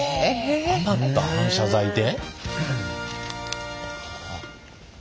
余った反射材で？